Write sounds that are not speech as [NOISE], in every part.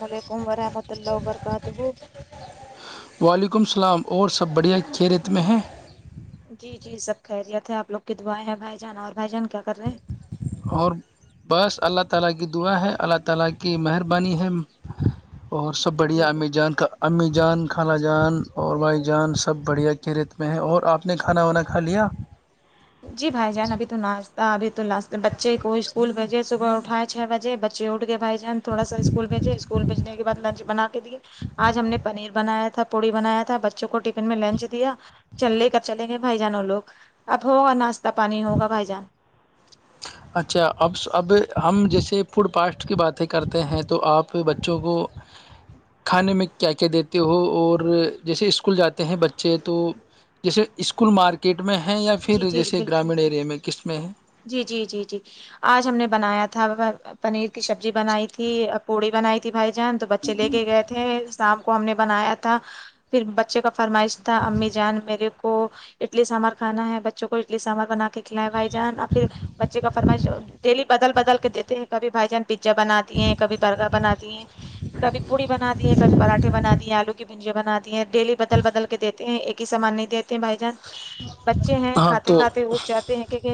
وعلیکم ورحمۃ اللہ وبرکاتہ وعلیکم السلام اور سب بڑھیا کی ریت میں ہیں جی جی سب خیریت ہے آپ لوگ ک دو آئے ہیں بھائی جان اور بھائی جان کیا کر رہے ہیں اور بس اللہ تعالی کی دعا ہے اللہ تعالی کی مہربانی ہے اور سب ہیں جی بڑھیا جی امی جان امی جان خالہ ماشاء اللہ۔ جان اور بھائی جان سب بڑھیا کی ریت میں ہے اور آپ نے کھانا وانا کھا لیا جی بھائی جان ابھی تو ناشتہ ابھی تو لاسٹ بچے کو اسکول بجے صبح اٹھائے چھ بجے بچے اٹھ کے بھائی تھوڑا سا اسکول بھیجے اسکول بھیجنے کے بع لنچ بنا کے دیے آج ہم نے پنیر بنا بنایا تھا پوڑی بنایا تھا بچوں کو ٹفن میں لنچ دیا چل لے کر چلے گئے بھائی جانوں لوگ اب ہوگا ناشتہ پانی ہوگا بھائی جان اچھا اب اب ہم جیسے فوڈ پاسٹ کی باتیں کرتے ہیں تو آپ بچوں کو کھانے میں کیا کیا دیتے ہو اور جیسے اسکول جاتے ہیں بچے تو جیسے اسکول مارکیٹ میں ہیں یا جی پھر جی جیسے بالکل گرامین اییرے میں کس میں ہیں جی جی جی جی آج ہم نے بنایا تھا پنیر کی سبزی بنائی تھی پوڑی بنائی تھی بھائی جان تو بچے لے کے گئے تھے شام کو ہم نے بنایا تھا پھر بچے کا فرمائش تھا امی جان میرے کو اڈلی سامار کھا ہے بچوں کو اڈلی سامار بنا کے کھلائے بھائی جان آپ پھر بچے کا فرمائش ڈیلی بدل بدل کے دیتے ہیں کبھی بھائی جان پیزا بناتی ہیں کبھی برگر بناتی ہیں کبھی پوی بنا دی ہیں کب پراٹھے بنا دیے آلو کی بھنجیا بنا دی ہیں ڈیلی بدل بدل دیتے ہیں ایک ہی سامان نہیں دیتے ہیں بھائی جان بچے ہیں ہاں کھاتے تو کھاتے اٹھ جاتے ہیں کیکہ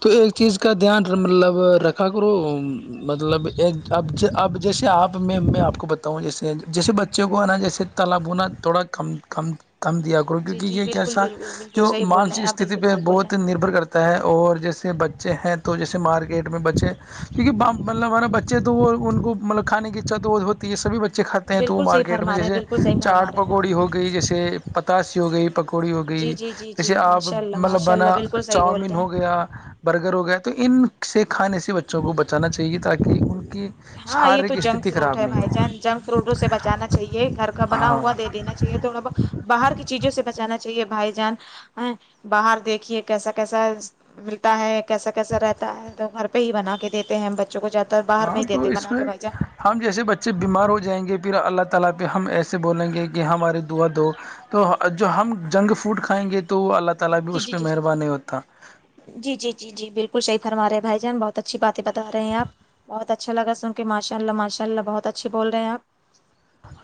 تو ایک چیز کا دھیان مطلب رکھا کرو مطلب ایک اب اب جیسے آپ میں میں آپ کو بتاؤں جیسے جیسے بچے کو نا جیسے تالبونا توڑا کم دیا کو جی کیونکہ یہ جی ایک بالکل ایسا بالکل بالکل جو صحیح بول رہے مانسک ہیں آپ استتی بالکل پہ صحیح بول رہے بہت ہیں نربر کرتا ہے اور جیسے بچے ہیں تو جیسے مارکیٹ میں بچے کیونکہ مطلب ہمارا بچے تو وہ ان کو مطلب کھے کی اھا تو وہ ہوتی ہے سب بچے چے کھاتے ہیں تو وہ بالکل صحیح مارکیٹ میں فرما رہے ہیں جیسے بالکل صحیح فرما چاٹ رہے ہیں پکوڑی آپ ہو گئی جیسے پتاسی ہو گئی پکوڑی ہو جی گئی جی جی جی جیسے آپ ماشاء اللہ مطلب ماشاء اللہ بنا بالکل صحیح بول چاؤمین رہے ہو ہیں گیا برگر ہو گیا تو ان سے کھانے سے بچوں کو چانا چاہیے تاکہ ان کی ہاں یہ تو شارییرک جنک استھھی فروٹ خراب ہے نہیں بھائی ہو جان جنک فروٹوں سے بچانا چاہیے گھر کا بنا ہاں ہوا دے دینا چاہیے تھوڑا بہت باہر کی چیزوں سے بچانا چاہیے بھائی جان ا باہر دیکھیے کیسا کیسا ملتا ہے کیسا کیسا رہتا ہے تو گھر پہ ہی بنا کے دیتے ہیں بچوں کو زیادہ باہر ہاں نہیں تو دیتے اس بنا میں کے بھائی جان ہم جیسے بچے بیمار ہو جائیں گے پھر اللہ تعالی پہ ہم ایسے بولیں گے کہ ہماری دعا دو تو جو ہم جنگ فوڈ کھائیں گے تو اللہ تعالی بھی جی اس جی پہ جی مہربان نہیں ہوتا جی جی جی جی بالکل صحیح فرما رہے ہیںھائی جان بہت اچھی بات بتا رہے ہیں آپ بہت اچھاگ سن کے ماشا اللہ ماشاءلہ بہت اچھے بول رہے آپ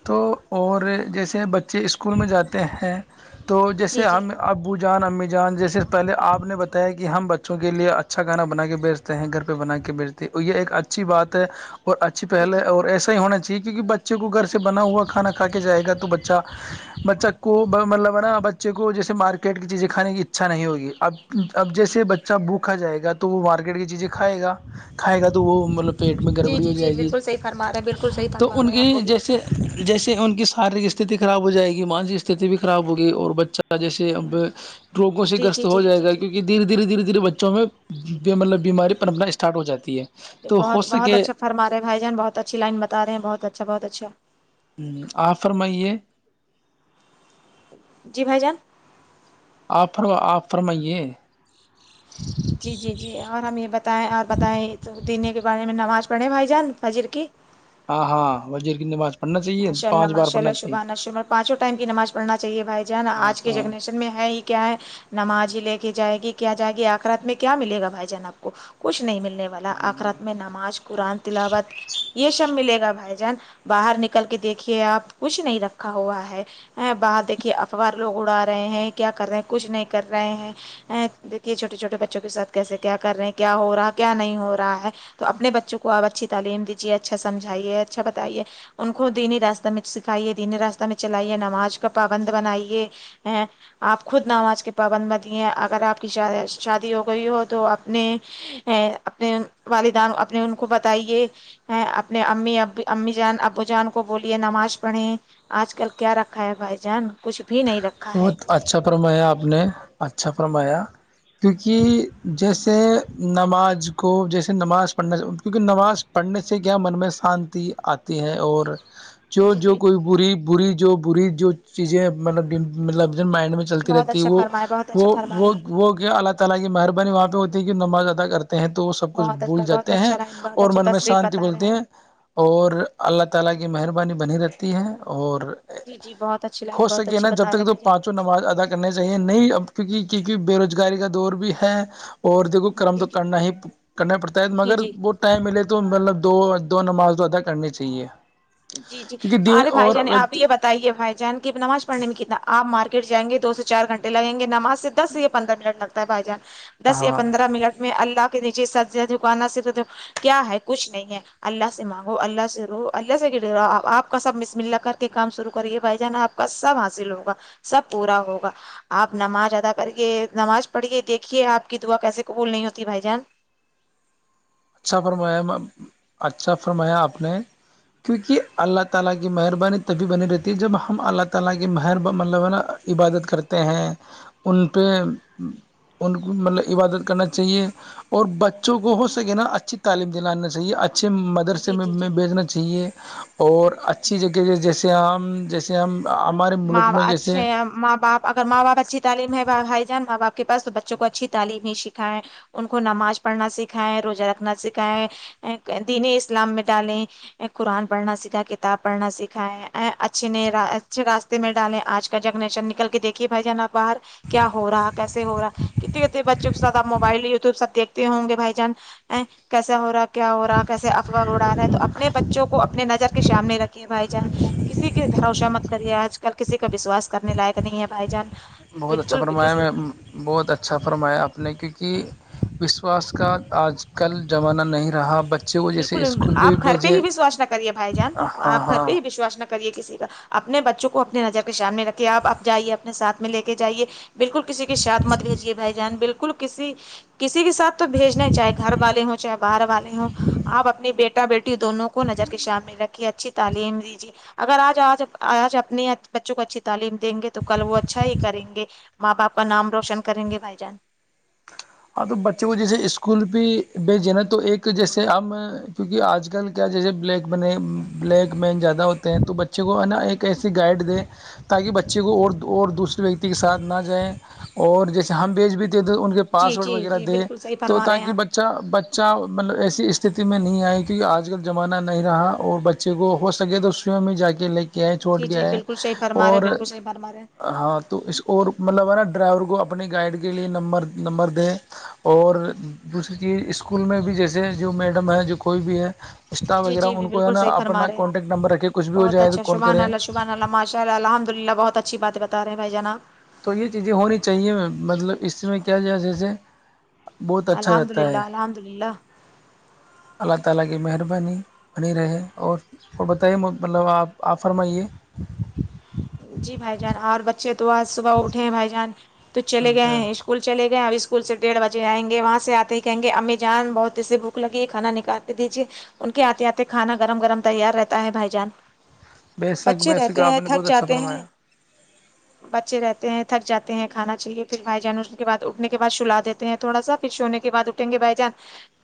تو اور جیسے بچے اسکول میں جاتے ہیں تو جیسے جی جی ہم ابو جان امی جان جی صرف پہلے آپ نے بتایا کہ ہم بچوں کے لیے اچھا گھانا بنا کے بیچ ہیں گھر پہ بنا کے بیچتے یہ ایک اچھی بات ہے اور اچھی جی پہل جی اور ایسا ہی ہونا چاہیے کیونکہ بچے کو گھر بنا ہوا کھانا کھا کے جائے گا تو بچہ بچہ کو مطلب ہے نا بچے کو جیسے مارکیٹ کی چیزیں کھانے کی اچھا نہیں ہوگی اب اب جیسے بچہ بھوک کھا جائے گا تو وہ مارکیٹ کی چیزیں کھائے گا کھائے گا تو وہ مطلب پیٹ میں جی گڑبڑی ہو جی جی جائے گی بالکل صحیح فرما رہے ہیں بالکل صحیح تو فرما ان رہے ہیں کے آپ بولیے جیسے جیسے ان کی شارییرک استھھی خراب ہو جائے گی مانسک استھھی بھی خراب ہوگی اور بچہ جیسے اب روگوں سے جی گرست جی ہو جی جائے گا کیونکہ دھیرے دھیرے دھیرے دھیرے بچوں میں ب مطلب بیماری پرنپنا اسٹارٹ ہو جاتی ہے تو ہو سکے فمارے بھائیان بہت اچھی لائن بتا رہ ہیں بہت اچھا بہت اچھا ہ آفر میں یہ جی بھائی جان آ فر آپ فرمائیے ہ جی جی جی اور ہم یہ بتائیں اور بتائیں تو دینی کے بارے میں نماز پڑھیں بھائی جان فجر کی ہاں ہاں وزیر کنے با ماشاء اللہ ماشاء اللہ شبح ن شم پانچوں ٹائم کی نماز پڑنا چاہیے بھائی جان ہاں آج کے ہاں جنریشن میں ہے ہی کیا ہے نماز ہی لے کے جائے گی کیا جائے گی آخرت میں کیا ملے گا بھائی جان آپ کو کچھ نہیں ملنے والا آخرت میں نماز قرآن تلاوت یہ شب ملے گا بھائی جان باہر نکل کر کے دیکھیے آپ کچھ نہیں رکھا ہوا ہے باہر دیکھیے اخبار لوگ اڑا رہے ہیں کیا کر رہے ہیں کچھ نہیں کر رہے ہیں دیکھیے چھوٹے چھوٹے بچوں کے ساتھ کیسے کیا کر رہے ہیں کیا ہو رہا ہے کیا نہیں ہو رہا ہے تو اپنے بچوں کو آپ اچھی تعلیم دیجیے اچھا سمجھائیے اچھا بتائیے ان کو دینی راستہ میں سکھائیے دینی راستہ میں چلائیے نماز کا پابند بنائیے آپ خود نماز کے پابند م دیے اگر آپ کی شادی ہو گئی ہو تو اپنے ا اپنے والدان اپنے ان کو بتائیے ہ اپنے امی اب امی جان ا بو جان کو بولیے نماز پڑھیں آج کل کیا رکھا ہے بھائی جان کچھ بھی نہیں رکھا ہے بہت اچھا فرمایا آپ نے اچھا فرمایا کیونکہ جیسے نماز کو جیسے نماز پڑھنا کیونکہ نماز پڑھنے سے کیا من میں شانتی آتی ہے اور جو جی جو جی کوئی بری بری جو بری جو چیزیں مطلب مطلب مائنڈ میں چلتی بہت رہتی ہے اچھا وہ فرمائے بہت اچھا فرما رہے وہ گیا اللہ تعالی کی مہربانی وہاں پہ ہوتی ہے کہ نماز ادا کر ہیں تو وہ سب کچھ بہت بھول اچھا بہت جاتے ہیں اچھا لائن بہت اور اچھی من میں تصریف شانتی بتا رہے بولتے ہیں اور جی جی بہت اچھی لائن ہو بہت سکے اچھی نا ب جب رہے تک تو ہیں مھے پانچوں نماز ادا کرنی چاہیے نہیں اب کیکہ کیک بے روزگاری کا دور بھی ہے اور دیکھو جان کرم جی تو جی کرنا ہی کرنا پڑتا ہے جی مگر جی وہ ت ملے تو مطلب دو دو نماز ادا کرنی چاہیے جی جی کیونکہ دین ارے بھائی اور جان آپ یہ ب ے بھائی جان کی نماز پڑنے میں کتنا آپ مارکیٹائیں گے دو سے چار گھنے لگیں گے ناز سے دس سےیا پندرہ منٹ لگ بھائی جان دس یا ہاں پندرہ منٹ میں اللہ کے نیچے سز دکانا سے کیا ہے کچھ نہیں ہے اللہ سے مانگو اللہ سے رو اللہ سے گر رہا آپ کا سب مس ملا کر کے کام شرو کریے بھائی جان آپ کا سب حاصل ہوگا سب پورا ہوگا آپ نماز ادا کریے نماز پڑھیے دیکھیے آپ کی دعا کیسے قبول نہیں ہوتی بھائی جان اچھا فرمایا اچھا فرمایا آپ نے کیونکہ اللہ تعالی کی مہربانی طبی بنے رہتی ہے جب ہم اللہ تعالی کی مہر مطلب ہے نا عبادت کرتے ہیں ان پہ ان کو مطلب عبادت کرنا چاہیے اور بچوں کو ہو نا اچھی تعم دلے چاہیے اچھا اچھے مدرسے جی جی میں جی بیچنا چاہیے اور اچھی جگہ کہ جیسے ہم جیسے ہم ہ ہمارے ملک میں جیسے اچھا ماں باپ اگر ماں باپ اچھی تعلیم ہے بھائی جان ماں باپ کے پاس بچوں کو اچھی تعم ہی سکھائےیں ان کو نماز پڑھنا سکھائے روزہ رکھنا سکھائے دین اسلام میں ڈالیں قرآن پڑھنا سیکھا کتاب پڑھنا سیکھا ہے ا اچھے ن اچھے راستے میں ڈالیں آج کا جگ نیچن نکل کے دیکے بھائی جان آ باہر کیا ہو رہا ہے کیسے ہو رہا کتنے کتنے بچوں کو زد موبائل وٹیوب سب دیکھتے ہوں گے بھائی جان ا کیسا ہو رہا ہے کیا ہو رہا ہے کیسے افواہ اڑا رہا ہے تو اپنے بچوں کو اپنے نظر کے سامنے رکھیے بھائی جان کسی کی بھروشا مت کرے آج کل کسی کا وشواس کرنے لائق نہیں ہے بھائی جان بہت اچھا بالکل بھی فرمایا کسی میں بہت اچھا فرمایا اپپ نے کیونکہ وشواس کا آج کل زمانہ نہیں رہا ب بالکل آپ گھر پہ ہی وشواس نہ کریے بھائی جان آ ہاں گھر ہاں پہ ہی وشواس نہ کرے کسی کا اپنے بچوں کو اپنی نظر کے سامنے رکھھیے آپ آپ جائیے اپنے ساتھ میں لے کے جائیے بالکل کسی کے ساتھ مت بھیجیے بھائی جان بالکل کسی کسی کے ساتھ تو بھیجنا ہے چاہے گھر والے ہوں چاہے باہر والے ہوں آپ اپنی بیٹا بیٹی دونوں کو نظر کے سامنے رکھیے اچھی تعلیم دیجیے اگر آج آج آج اپنے بچوں کو اچھی تعلیم دیں گے تو کل وہ اچھا ہی کریں گے ماں باپ کا نام روشن کریں گے بھائی جان ہاں تو بچے کو جیسے اسکول بھی بھیجیں نا تو ایک جیسے ہم کیونکہ آج کل کیا جیسے بلیک بنے بلیک مین زیادہ ہوتے ہیں تو بچے کو ہے نا ایک ایسی گائیڈ دے تاکہ بچے کو اور اور دوسرے ویکتی کے ساتھ نہ جائیں اور جیسے ہم بیچ بھیتے ہیں تو ان کے جی پاسورڈ جی وغیرہ جی دے بالکل صحیح تو فرما رہے تاک ہیں ب آپ بچہ بچہ مطلب ایسی استھتی میں نہیں آئے کیونکہ آج کل زمانہ نہیں رہا اور بچہ کو ہو سکے تو سوی میں جا کے لے گ ہے چھوٹ جی جی گیا ہے بالکل صحیح فرما رہے اور ہیں، بالکل صحیح فرما رہے ہیں ہاں تو اس اور مطلب ہے نا ڈرائیور کو اپنی گائڈ کے لیے نمبر نمبر دیں اور دوسری چیز اسکول میں بھی جیسے جو میڈم ہے جو کوئی بھی ہے اسٹاف جی وغیرہ جی جی ان کو جو ہے بالکل نا صحیح فرما اپنا رہے ہیں کانٹیکٹ نمبر رکھے کچھ بھی ہو جائے تو کال کریں چلو الحمد للہ بہت اچھی بات بتا رہے ہیں بھائی جناب تو یہ چیزیں ہونی چاہیے مطلب اس میں کیا ج جیسے بہت اچھا الحمد رہتا للہ ہے الحمد للہ اللہ تعالی کی مہربانی بنی رہے اور اور بتائیے مطلب آپ آپ فرمائیے جی بھائی جان اور بچے تو آج صبح اٹھے بھائی جان تو چلے گئے اچھا ہیں اسکول چلے گئے اب اسکول سے ڈیڑھ بجے آئ گے وہاں سے آتے ہی کہیں گے امی جان بہت اسیے بھک لگی کھانا نکال دیجے ان کے آتے آتے کھانا گرم گرم تیار رہتا ہے بھائی جان بے شک بچے بے شک رہتے آپ ہیں نے تھک بہت اچھا جاتے ہیں فرمایا بچے رہتے ہیں تھک جاتے ہیں کانا چاہیے پھر بھائی جان اس کے بد اٹھنے کے بع چلا دیتے ہیں تھوڑا سا پھر سونے کے بعھ گے بھائی جان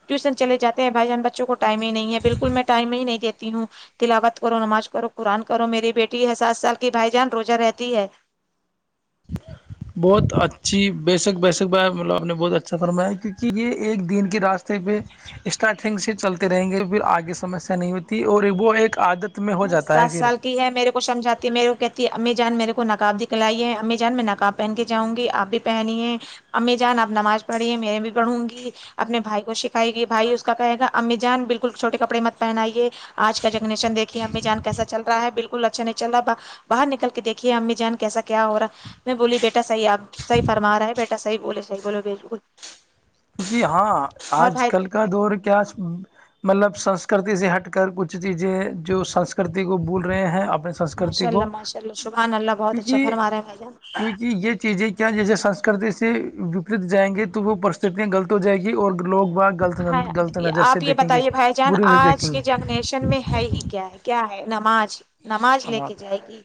ٹیوشن چلے جاتے ہیں بھائی جان بچوں کو ٹائم ہی نہیں ہے بالکل میں ٹائم ہی نہیں دیتی ہوں تلاوت کرو نماز کرو قرآن کرو میری بیٹی ہے سات سال کی بھائی جان روزہ رہتی ہے [INAUDIBLE] بہت اچھی بیے شک بیےسک ب مطلب آپ نے بہت اچھا فرمایا کیونکہ یہ ایک دن کے راستے پہ اسٹارٹنگ سے چلتے رہیں گے پھر آگے سمسیا نہیں ہوتی اور وہ ایک عادت میں ہو جاتا ہے سات پھر سال ہے میرے کو سمجھاتی ہے میرے کہتی ہے امی جان میرے کو نقاب دکھلائی ہے امی جان میں نقاب پہن کے جاؤں گی آپ بھی پہنی ہیں امی جان آپ نماز پڑھی ہے میرے بھی پڑھوں گی اپنے بھائی کو سکھائے گی بھائی اس کا کہے گا امی جان بالکل چھوٹے کپڑے مت پہنائیے آج کا جنگنیشن دیک امی جان کیسا چل رہا ہے بالکل اچھا نہیں چلا رہ با باہر نکل کے دیکھیے امی جان کیسا کیا ہو رہا میں بولی بیٹا صح آپح فما رہا ہے بیٹا صح بولے صحی بولے بالکل جی ہاں اور آج بھائی کل کا دور کیا مطلب سنسکرتی سے ہٹ کر کچھ چیزیں جو سنسکرتی کو بول رہے ہیں اپنے سنسکرتی ماشاء اللہ کو ماشاء اللہ شبحان اللہ بہت اچھا کیونکہ فرما ہے بھائی جان کیونکہ یہ چیزیں کیا جیسے سسکرتی سے وپریت جائیں گے تو وہ پرستتیاں غلط ہو جائ گی اور لوگ باگ ہاں آپ یہ بتائیے بھائی جان برے سے دیکھیں آج کے جنریشن میں ہے ہی کیا ہے کیا ہے نماز نماز لے گے کے جائے گی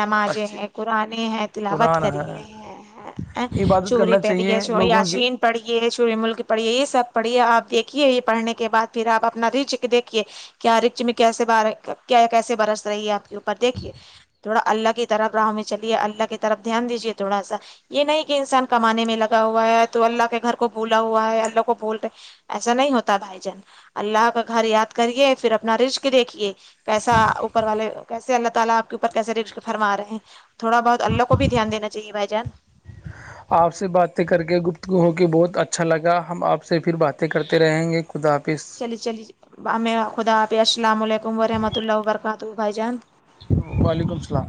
نمازیں اچھی ہیں قرآنیں ہیں تلاوت قرآن کرے ہے ہیں عبادت چوری کرنا پہڑی ہے چاہیے چ لوگوں کی آیاشین پڑی ہے چوری ملک پڑھیے یہ سب پڑھیے آپ دیکھیے یہ پڑھنے کے بعد پھر آپ اپنا رچک دیکھیے کیا رکچ میں کیسے ب کیسے برس رہی ہے آپ کے اوپر دیکھیے تھوڑا اللہ کی طرح گاہ میں چلیے اللہ کی طرف دھیان دیجیے تھوڑا سا یہ نہیں کہ انسان کمانے میں لگا ہوا ہے تو اللہ کے گھر کو بولا ہوا ہوا ہے اللہ کو بولتے ایسا نہیں ہوتا بھائی جان اللہ کا گھر یاد کریے پھر اپنا رشق دیکھیے ایسا اوپر والے کیسے اللہ تعالی اپ کے اوپر کیسے رزق فرما رہے ہیں تھوڑا بہت اللہ کو بھی دھیان دےنا چاہے بھائی جان جی [INAUDIBLE] آپ سے باتیں کر کے گپتگو ہو کے بہت اچھا لگا ہم آپ سے پھر باتیں کرتے رہیں گے خدافظ لی خدا حافظ السلام علیکم رحمۃہ اللہ وبرکاتہ بھائی جان وعلیکم السلام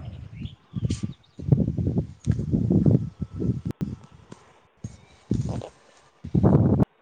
[INAUDIBLE]